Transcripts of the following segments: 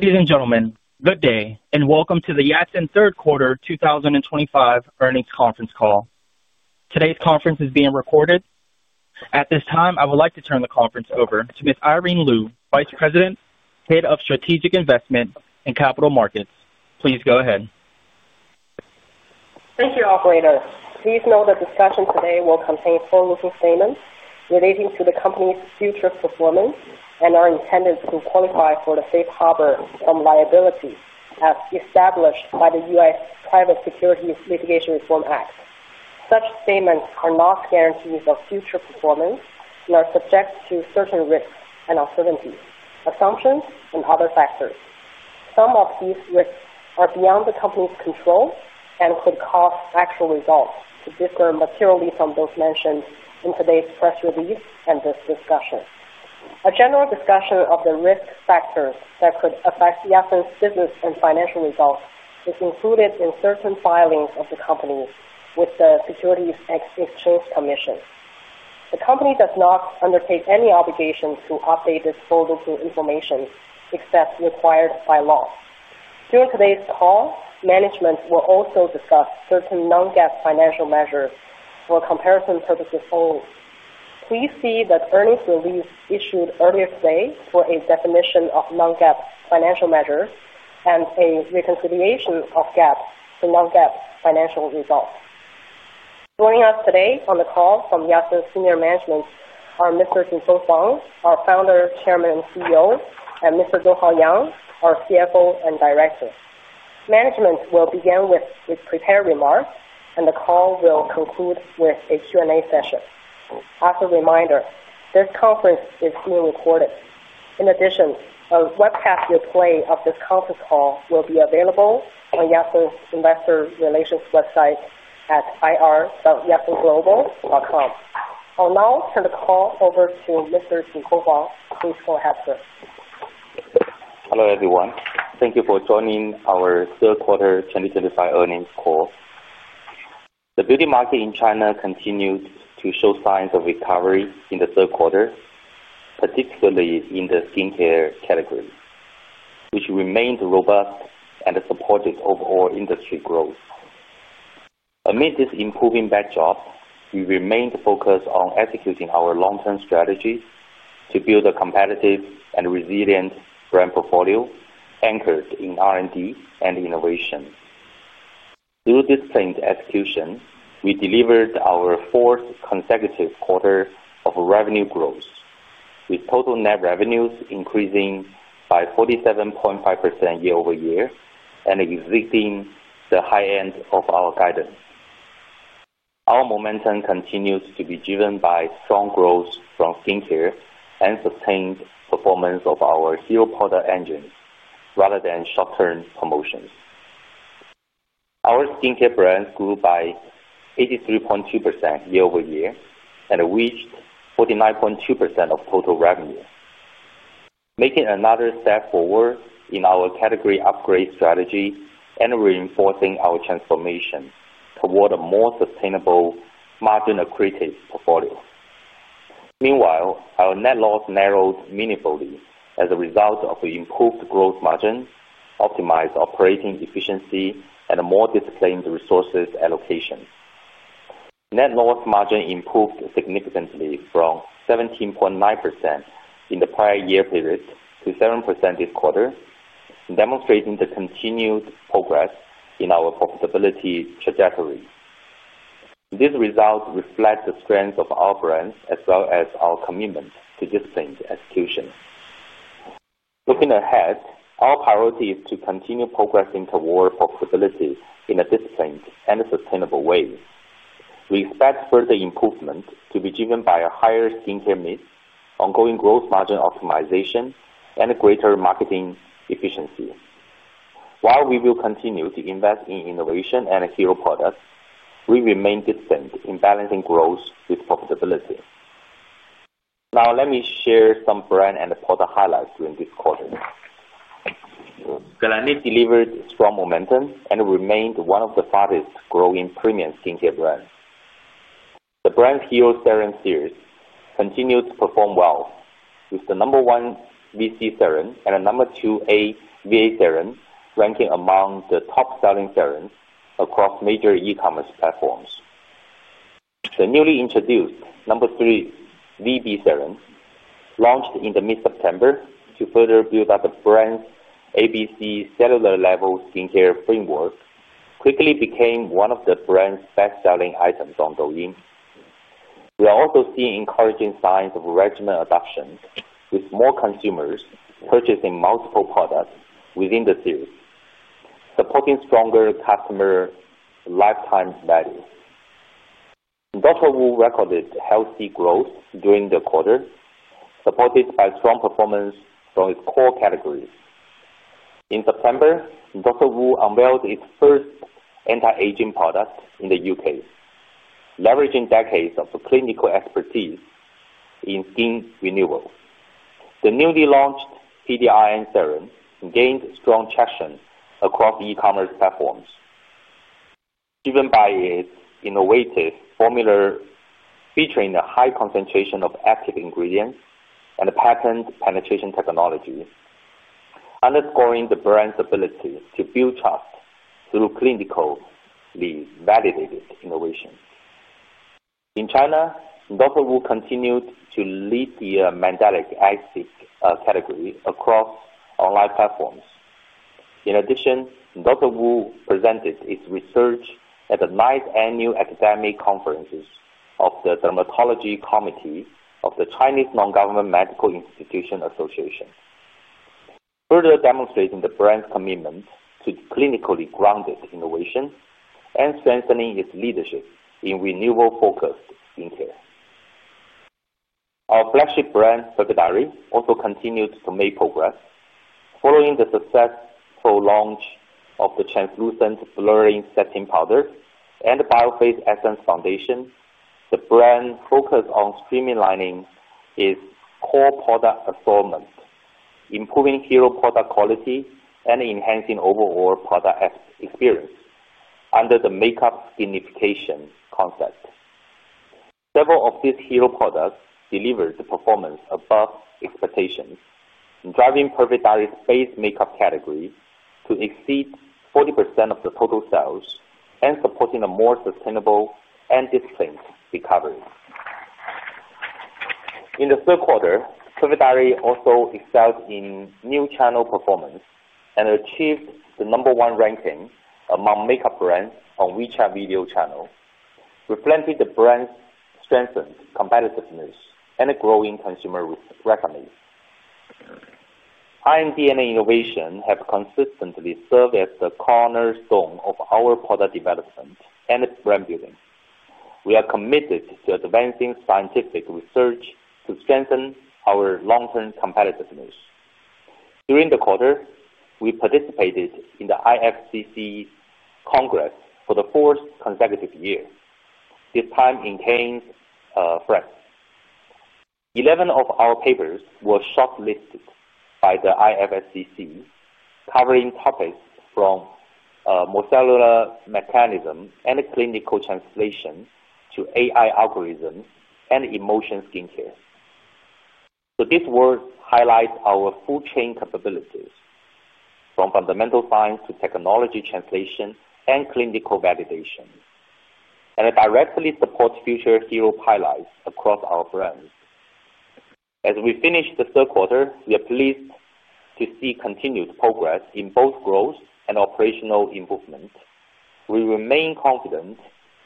Ladies and gentlemen, good day, and welcome to the Yatsen Third Quarter 2025 earnings conference call. Today's conference is being recorded. At this time, I would like to turn the conference over to Ms. Irene Liu, Vice President, Head of Strategic Investment and Capital Markets. Please go ahead. Thank you, Operator. Please note that this session today will contain forward-looking statements relating to the company's future performance and our intentions to qualify for the safe harbor from liability as established by the U.S. Private Securities Litigation Reform Act. Such statements are not guarantees of future performance and are subject to certain risks and uncertainties, assumptions, and other factors. Some of these risks are beyond the company's control and could cause actual results to differ materially from those mentioned in today's press release and this discussion. A general discussion of the risk factors that could affect Yatsen's business and financial results is included in certain filings of the company with the U.S. Securities and Exchange Commission. The company does not undertake any obligation to update disposable information except required by law. During today's call, management will also discuss certain non-GAAP financial measures for comparison purposes only. Please see that earnings release issued earlier today for a definition of non-GAAP financial measures and a reconciliation of GAAP to non-GAAP financial results. Joining us today on the call from Yatsen's senior management are Mr. Jinfeng Huang, our founder, chairman, and CEO, and Mr. Donghao Yang, our CFO and director. Management will begin with prepared remarks, and the call will conclude with a Q&A session. As a reminder, this conference is being recorded. In addition, a webcast replay of this conference call will be available on Yatsen's investor relations website at ir.yatsenglobal.com. I'll now turn the call over to Mr. Jinfeng Huang. Please go ahead, sir. Hello, everyone. Thank you for joining our Third Quarter 2025 Earnings Call. The beauty market in China continues to show signs of recovery in the third quarter, particularly in the skincare category, which remained robust and supported overall industry growth. Amid this improving backdrop, we remained focused on executing our long-term strategy to build a competitive and resilient brand portfolio anchored in R&D and innovation. Through this planned execution, we delivered our fourth consecutive quarter of revenue growth, with total net revenues increasing by 47.5% year-over-year and exceeding the high end of our guidance. Our momentum continues to be driven by strong growth from skincare and sustained performance of our zero-product engine rather than short-term promotions. Our skincare brands grew by 83.2% year-over-year and reached 49.2% of total revenue, making another step forward in our category upgrade strategy and reinforcing our transformation toward a more sustainable margin-accretive portfolio. Meanwhile, our net loss narrowed meaningfully as a result of improved gross margin, optimized operating efficiency, and more disciplined resources allocation. Net loss margin improved significantly from 17.9% in the prior year period to 7% this quarter, demonstrating the continued progress in our profitability trajectory. These results reflect the strength of our brand as well as our commitment to disciplined execution. Looking ahead, our priority is to continue progressing toward profitability in a disciplined and sustainable way. We expect further improvement to be driven by a higher skincare mix, ongoing gross margin optimization, and greater marketing efficiency. While we will continue to invest in innovation and zero product, we remain disciplined in balancing growth with profitability. Now, let me share some brand and product highlights during this quarter. Gilanit delivered strong momentum and remained one of the fastest-growing premium skincare brands. The brand's HEAL Serum Series continued to perform well, with the No. one VC Serum and the No. two AVA Serum ranking among the top-selling serums across major e-commerce platforms. The newly introduced No. three VB Serum, launched in mid-September to further build up the brand's ABC cellular-level skincare framework, quickly became one of the brand's best-selling items on Douyin. We are also seeing encouraging signs of regimen adoption, with more consumers purchasing multiple products within the series, supporting stronger customer lifetime value. Dr. Wu recorded healthy growth during the quarter, supported by strong performance from its core categories. In September, Dr. Wu unveiled its first anti-aging product in the U.K., leveraging decades of clinical expertise in skin renewal. The newly launched PDIN Serum gained strong traction across e-commerce platforms, driven by its innovative formula featuring a high concentration of active ingredients and patent penetration technology, underscoring the brand's ability to build trust through clinically validated innovation. In China, Dr. Wu continued to lead the mandelic acid category across online platforms. In addition, Dr. Wu presented its research at the Knight Annual Academic Conferences of the Dermatology Committee of the Chinese Non-Governmental Medical Institution Association, further demonstrating the brand's commitment to clinically grounded innovation and strengthening its leadership in renewal-focused skincare. Our flagship brand, Perfect Diary, also continued to make progress. Following the successful launch of the translucent blurring setting powder and the Biofaze Essence Foundation, the brand focused on streamlining its core product assortment, improving HEAL product quality, and enhancing overall product experience under the makeup skinification concept. Several of these HEAL products delivered performance above expectations, driving Perfect Diary base makeup category to exceed 40% of the total sales and supporting a more sustainable and disciplined recovery. In the third quarter, Perfect Diary also excelled in new channel performance and achieved the No. 1 ranking among makeup brands on WeChat Video Channel, reflecting the brand's strengthened competitiveness and growing consumer revenue. R&D and innovation have consistently served as the cornerstone of our product development and brand building. We are committed to advancing scientific research to strengthen our long-term competitiveness. During the quarter, we participated in the IFSC Congress for the fourth consecutive year, this time in Cannes, France. Eleven of our papers were shortlisted by the IFSC, covering topics from molecular mechanism and clinical translation to AI algorithms and emotion skincare. These works highlight our full-chain capabilities, from fundamental science to technology translation and clinical validation, and directly support future HEAL pilots across our brands. As we finish the third quarter, we are pleased to see continued progress in both growth and operational improvement. We remain confident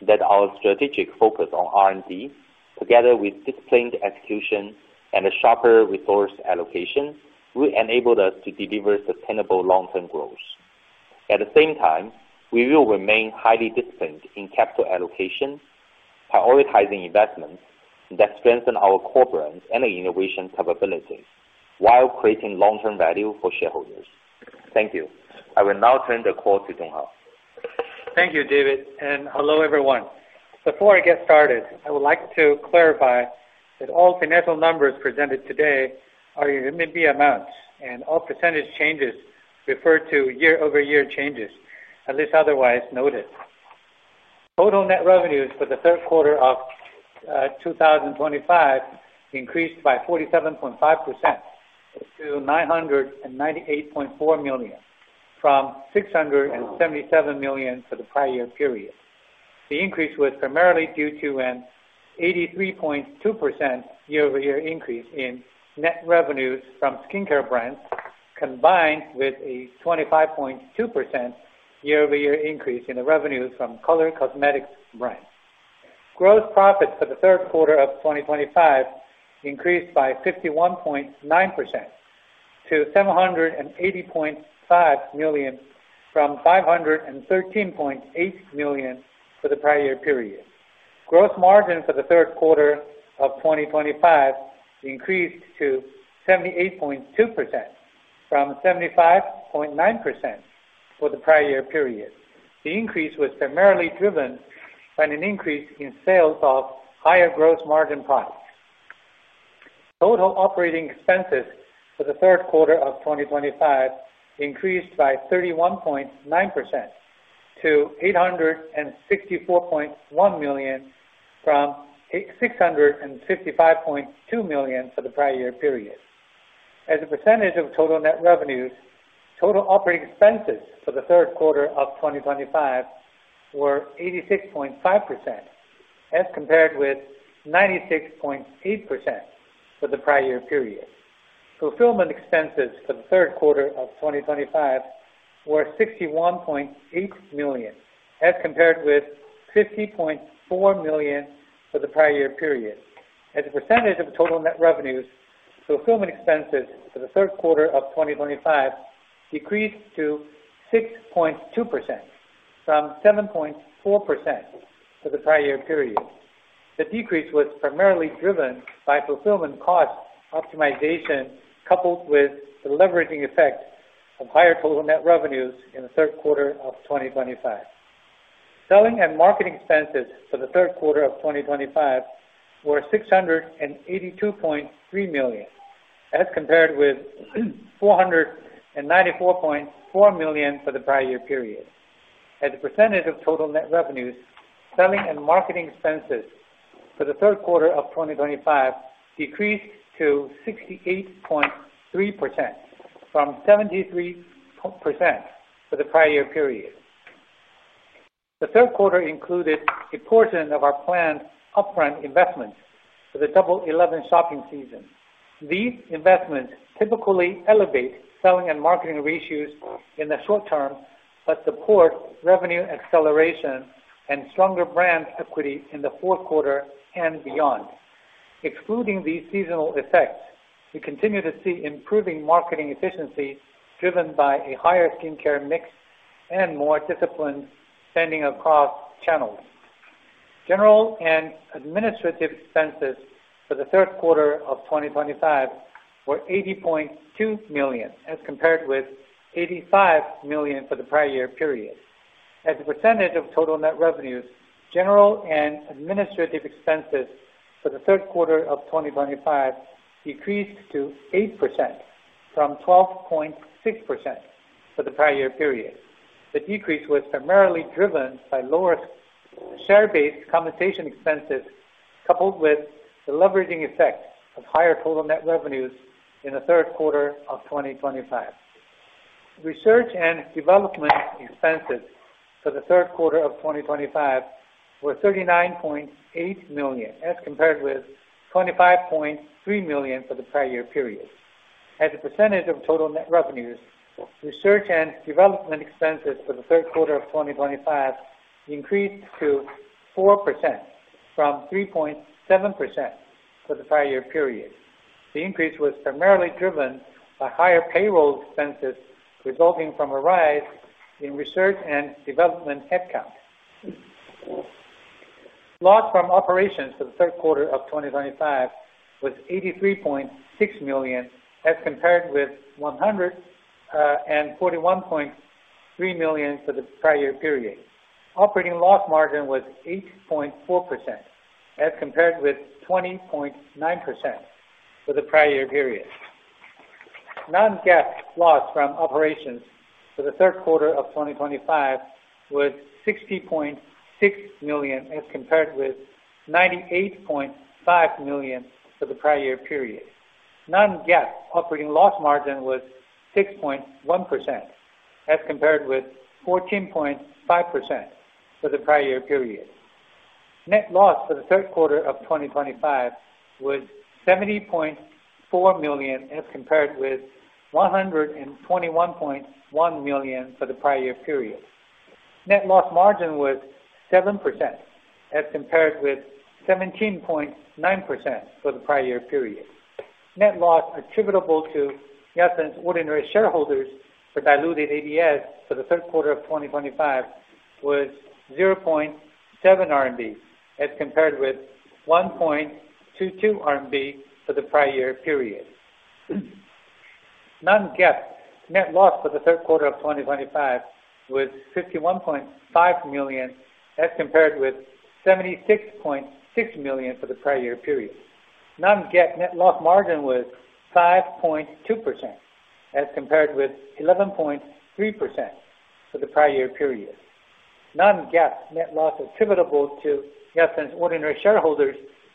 that our strategic focus on R&D, together with disciplined execution and sharper resource allocation, will enable us to deliver sustainable long-term growth. At the same time, we will remain highly disciplined in capital allocation, prioritizing investments that strengthen our core brand and innovation capabilities while creating long-term value for shareholders. Thank you. I will now turn the call to Donghao. Thank you, David. Hello, everyone. Before I get started, I would like to clarify that all financial numbers presented today are in RMB amounts, and all percentage changes refer to year-over-year changes, unless otherwise noted. Total net revenues for the third quarter of 2025 increased by 47.5% to 998.4 million, from 677 million for the prior year period. The increase was primarily due to an 83.2% year-over-year increase in net revenues from skincare brands, combined with a 25.2% year-over-year increase in the revenues from color cosmetics brands. Gross profits for the third quarter of 2025 increased by 51.9% to 780.5 million, from 513.8 million for the prior year period. Gross margin for the third quarter of 2025 increased to 78.2%, from 75.9% for the prior year period. The increase was primarily driven by an increase in sales of higher gross margin products. Total operating expenses for the third quarter of 2025 increased by 31.9% to 864.1 million, from 655.2 million for the prior year period. As a percentage of total net revenues, total operating expenses for the third quarter of 2025 were 86.5%, as compared with 96.8% for the prior year period. Fulfillment expenses for the third quarter of 2025 were 61.8 million, as compared with 50.4 million for the prior year period. As a percentage of total net revenues, fulfillment expenses for the third quarter of 2025 decreased to 6.2%, from 7.4% for the prior year period. The decrease was primarily driven by fulfillment cost optimization coupled with the leveraging effect of higher total net revenues in the third quarter of 2025. Selling and marketing expenses for the third quarter of 2025 were 682.3 million, as compared with 494.4 million for the prior year period. As a percentage of total net revenues, selling and marketing expenses for the third quarter of 2025 decreased to 68.3%, from 73% for the prior year period. The third quarter included a portion of our planned upfront investments for the Double 11 shopping season. These investments typically elevate selling and marketing ratios in the short term but support revenue acceleration and stronger brand equity in the fourth quarter and beyond. Excluding these seasonal effects, we continue to see improving marketing efficiency driven by a higher skincare mix and more disciplined spending across channels. General and administrative expenses for the third quarter of 2025 were 80.2 million, as compared with 85 million for the prior year period. As a percentage of total net revenues, general and administrative expenses for the third quarter of 2025 decreased to 8%, from 12.6% for the prior year period. The decrease was primarily driven by lower share-based compensation expenses coupled with the leveraging effect of higher total net revenues in the third quarter of 2025. Research and development expenses for the third quarter of 2025 were 39.8 million, as compared with 25.3 million for the prior year period. As a percentage of total net revenues, research and development expenses for the third quarter of 2025 increased to 4%, from 3.7% for the prior year period. The increase was primarily driven by higher payroll expenses resulting from a rise in research and development headcount. Loss from operations for the third quarter of 2025 was 83.6 million, as compared with 141.3 million for the prior year period. Operating loss margin was 8.4%, as compared with 20.9% for the prior year period. Non-GAAP loss from operations for the third quarter of 2025 was 60.6 million, as compared with 98.5 million for the prior year period. Non-GAAP operating loss margin was 6.1%, as compared with 14.5% for the prior year period. Net loss for the third quarter of 2025 was 70.4 million, as compared with 121.1 million for the prior year period. Net loss margin was 7%, as compared with 17.9% for the prior year period. Net loss attributable to Yatsen's ordinary shareholders for diluted ADS for the third quarter of 2025 was 0.7, as compared with 1.22 for the prior year period. Non-GAAP net loss for the third quarter of 2025 was 51.5 million, as compared with 76.6 million for the prior year period. Non-GAAP net loss margin was 5.2%, as compared with 11.3% for the prior year period. Non-GAAP net loss attributable to Yatsen's ordinary shareholders for diluted ABS for the third quarter of 2025 was RMB 0.5, as compared with 0.77 RMB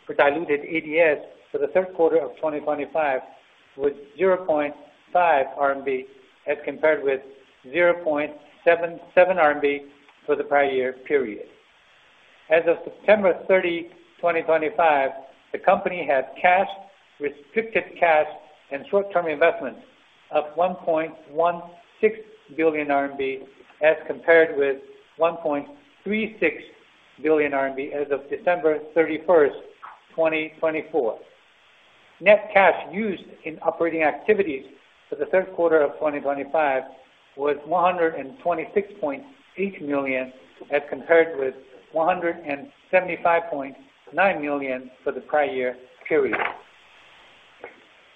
for the prior year period. As of September 30, 2025, the company had cash, restricted cash, and short-term investments of 1.16 billion RMB, as compared with 1.36 billion RMB as of December 31, 2024. Net cash used in operating activities for the third quarter of 2025 was 126.8 million, as compared with 175.9 million for the prior year period.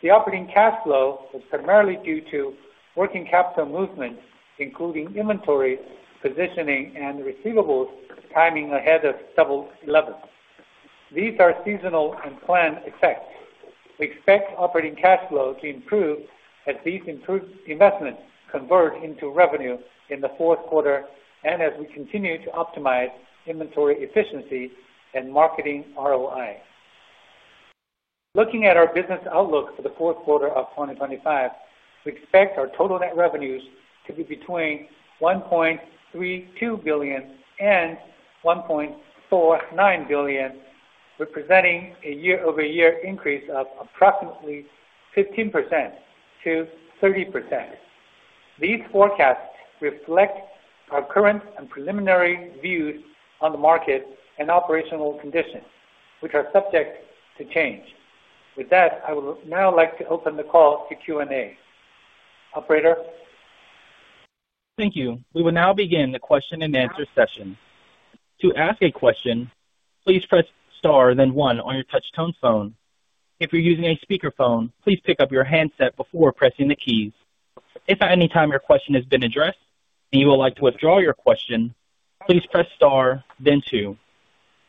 The operating cash flow was primarily due to working capital movement, including inventory, positioning, and receivables timing ahead of Double 11. These are seasonal and planned effects. We expect operating cash flow to improve as these improved investments convert into revenue in the fourth quarter and as we continue to optimize inventory efficiency and marketing ROI. Looking at our business outlook for the fourth quarter of 2025, we expect our total net revenues to be between 1.32 billion and 1.49 billion, representing a year-over-year increase of approximately 15% to 30%. These forecasts reflect our current and preliminary views on the market and operational conditions, which are subject to change. With that, I would now like to open the call to Q&A. Operator. Thank you. We will now begin the question-and-answer session. To ask a question, please press star then one on your touch-tone phone. If you're using a speakerphone, please pick up your handset before pressing the keys. If at any time your question has been addressed and you would like to withdraw your question, please press star then two.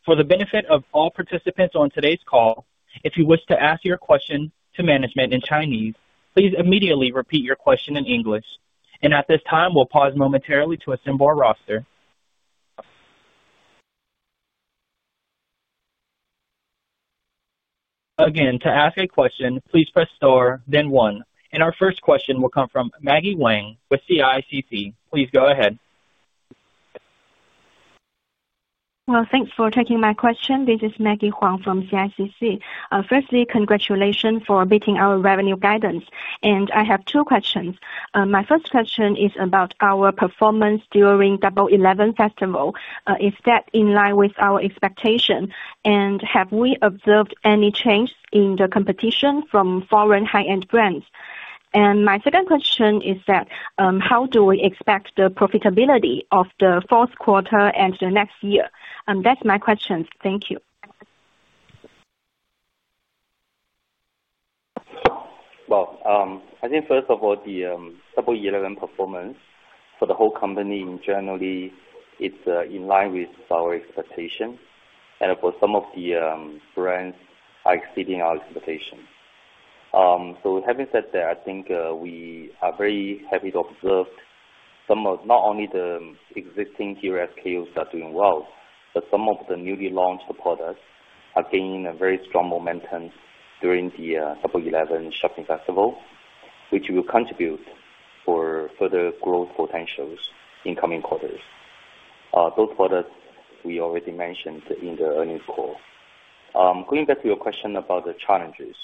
For the benefit of all participants on today's call, if you wish to ask your question to management in Chinese, please immediately repeat your question in English. At this time, we'll pause momentarily to assemble our roster. Again, to ask a question, please press star then one. Our first question will come from Maggie Huang with CICC. Please go ahead. Thank you for taking my question. This is Maggie Huang from CICC. Firstly, congratulations for meeting our revenue guidance. I have two questions. My first question is about our performance during Double 11 Festival. Is that in line with our expectation? Have we observed any change in the competition from foreign high-end brands? My second question is, how do we expect the profitability of the fourth quarter and the next year? That is my questions. Thank you. I think first of all, the Double 11 performance for the whole company in general, it's in line with our expectation. For some of the brands, are exceeding our expectations. Having said that, I think we are very happy to observe some of not only the existing TRS KOs are doing well, but some of the newly launched products are gaining a very strong momentum during the Double 11 shopping festival, which will contribute for further growth potentials in coming quarters. Those products we already mentioned in the earnings call. Going back to your question about the challenges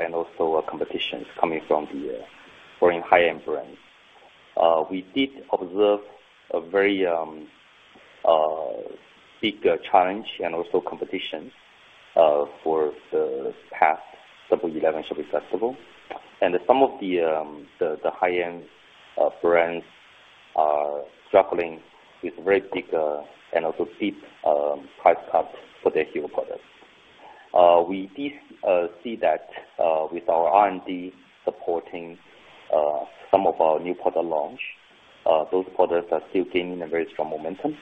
and also competitions coming from the foreign high-end brands, we did observe a very big challenge and also competition for the past Double 11 shopping festival. Some of the high-end brands are struggling with very big and also deep price cuts for their KO products. We see that with our R&D supporting some of our new product launch, those products are still gaining a very strong momentum.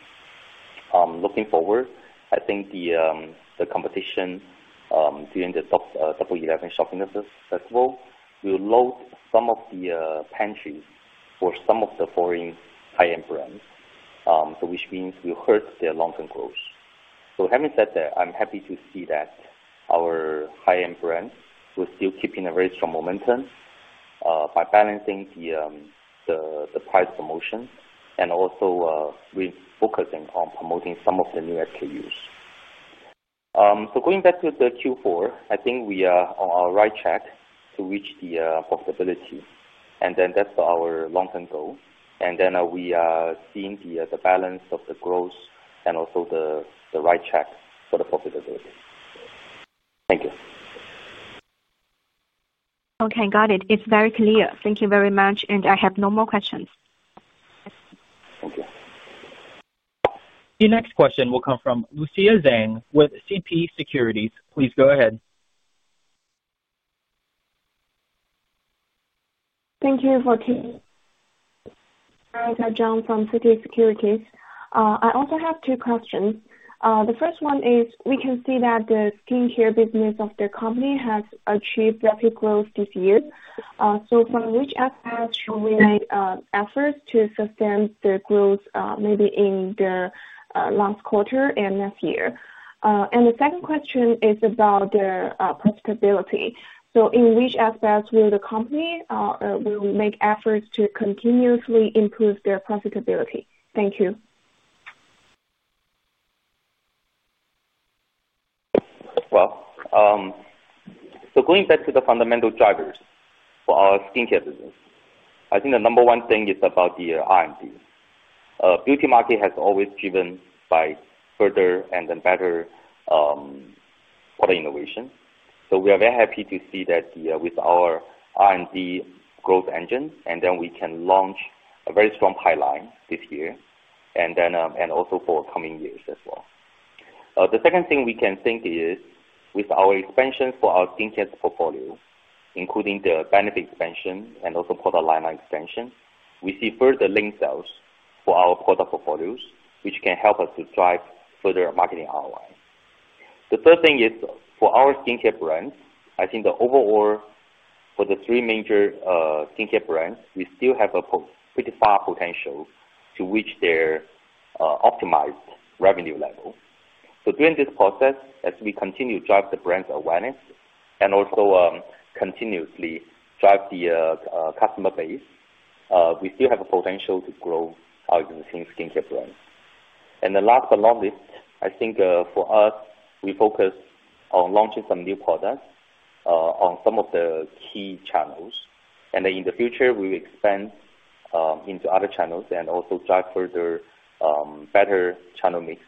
Looking forward, I think the competition during the Double 11 shopping festival will load some of the pantries for some of the foreign high-end brands, which means we'll hurt their long-term growth. Having said that, I'm happy to see that our high-end brands will still keep in a very strong momentum by balancing the price promotion and also focusing on promoting some of the new SKUs. Going back to the Q4, I think we are on our right track to reach the profitability. That is our long-term goal. We are seeing the balance of the growth and also the right track for the profitability. Thank you. Okay, got it. It's very clear. Thank you very much. I have no more questions. Thank you. Your next question will come from Lucia Zhang with CP Securities. Please go ahead. Thank you, I'm Lucia Zhang from CP Securities. I also have two questions. The first one is, we can see that the skincare business of the company has achieved rapid growth this year. From which aspects should we make efforts to sustain the growth maybe in the last quarter and next year? The second question is about the profitability. In which aspects will the company make efforts to continuously improve their profitability? Thank you. Going back to the fundamental drivers for our skincare business, I think the number one thing is about the R&D. Beauty market has always driven by further and then better product innovation. We are very happy to see that with our R&D growth engine, and then we can launch a very strong pipeline this year and also for coming years as well. The second thing we can think is with our expansion for our skincare portfolio, including the benefit expansion and also product line extension, we see further link sales for our product portfolios, which can help us to drive further marketing ROI. The third thing is for our skincare brands, I think the overall for the three major skincare brands, we still have a pretty far potential to reach their optimized revenue level. During this process, as we continue to drive the brand awareness and also continuously drive the customer base, we still have a potential to grow our existing skincare brands. The last but not least, I think for us, we focus on launching some new products on some of the key channels. In the future, we will expand into other channels and also drive further better channel mix.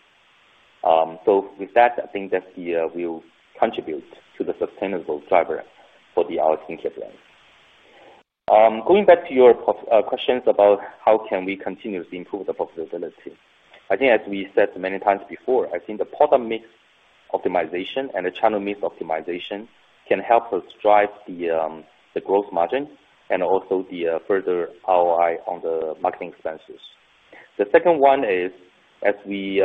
With that, I think that will contribute to the sustainable driver for our skincare brands. Going back to your questions about how can we continuously improve the profitability, I think as we said many times before, the product mix optimization and the channel mix optimization can help us drive the gross margin and also the further ROI on the marketing expenses. The second one is as we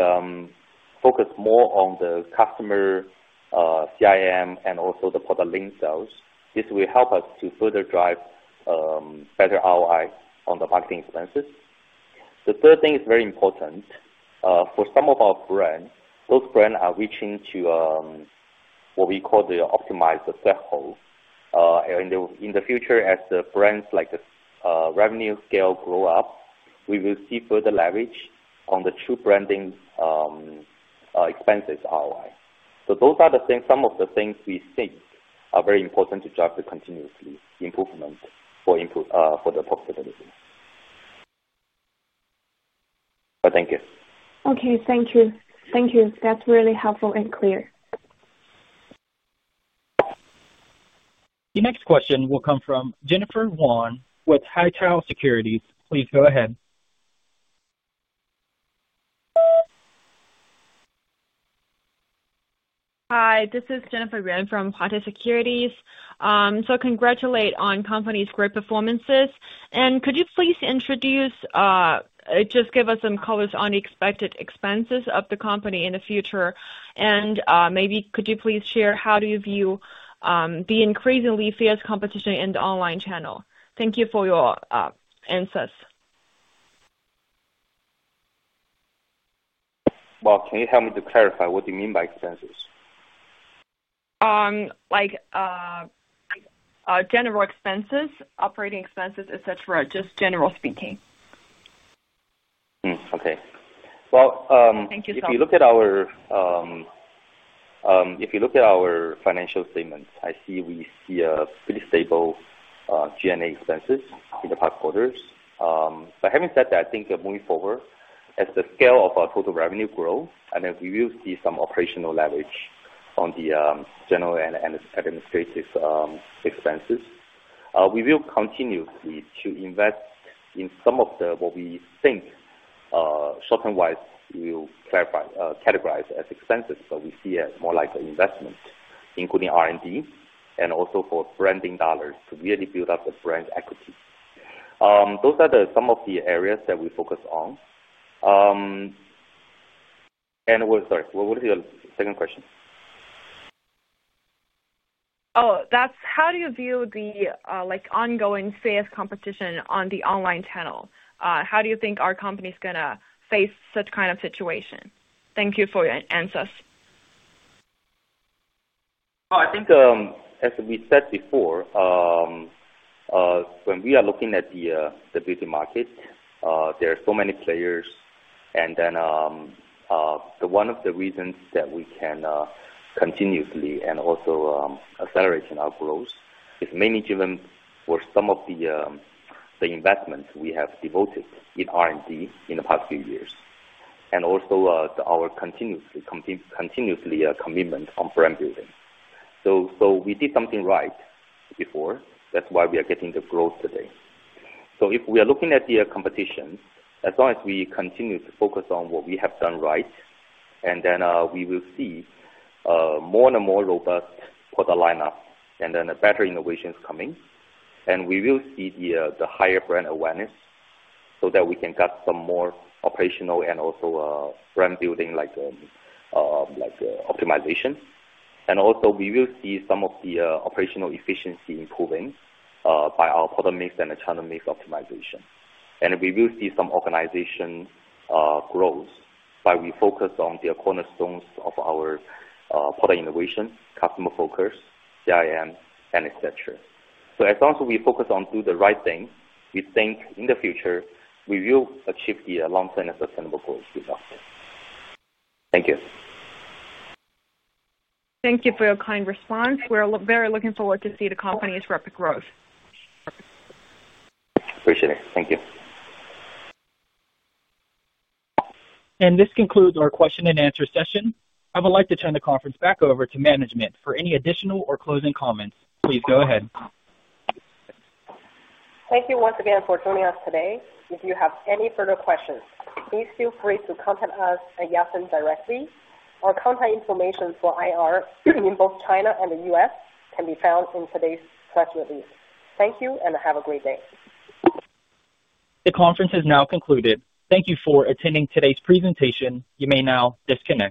focus more on the customer CIM and also the product link sales, this will help us to further drive better ROI on the marketing expenses. The third thing is very important. For some of our brands, those brands are reaching to what we call the optimized threshold. In the future, as the brands' revenue scale grow up, we will see further leverage on the true branding expenses ROI. Those are some of the things we think are very important to drive the continuous improvement for the profitability. Thank you. Okay, thank you. Thank you. That's really helpful and clear. Your next question will come from Jennifer Wu, with Haitong Securities. Please go ahead. Hi, this is Jennifer Wu from Haitong Securities. Congratulations on the company's great performances. Could you please introduce, just give us some colors on the expected expenses of the company in the future? Maybe could you please share how do you view the increasingly fierce competition in the online channel? Thank you for your answers. Can you help me to clarify what do you mean by expenses? Like general expenses, operating expenses, etc., just general speaking. Okay. Well. Thank you so much. If you look at our financial statements, I see we see pretty stable G&A expenses in the past quarters. Having said that, I think moving forward, as the scale of our total revenue grows, I think we will see some operational leverage on the general and administrative expenses. We will continuously invest in some of what we think short-term-wise we will categorize as expenses, but we see it more like an investment, including R&D and also for branding dollars to really build up the brand equity. Those are some of the areas that we focus on. Sorry, what was your second question? Oh, that's how do you view the ongoing fierce competition on the online channel? How do you think our company is going to face such kind of situation? Thank you for your answers. I think as we said before, when we are looking at the beauty market, there are so many players. One of the reasons that we can continuously and also accelerate our growth is mainly driven by some of the investments we have devoted in R&D in the past few years, and also our continuous commitment on brand building. We did something right before. That is why we are getting the growth today. If we are looking at the competition, as long as we continue to focus on what we have done right, we will see more and more robust product lineups and better innovations coming. We will see the higher brand awareness so that we can get some more operational and also brand building optimization. We will see some of the operational efficiency improving by our product mix and channel mix optimization. We will see some organization growth by we focus on the cornerstones of our product innovation, customer focus, CIM, and etc. As long as we focus on doing the right thing, we think in the future we will achieve the long-term and sustainable growth we've got. Thank you. Thank you for your kind response. We're very looking forward to see the company's rapid growth. Appreciate it. Thank you. This concludes our question-and-answer session. I would like to turn the conference back over to management for any additional or closing comments. Please go ahead. Thank you once again for joining us today. If you have any further questions, please feel free to contact us at Yatsen directly. Our contact information for IR in both China and the U.S. can be found in today's press release. Thank you and have a great day. The conference has now concluded. Thank you for attending today's presentation. You may now disconnect.